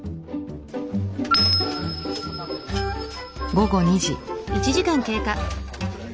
午後２時。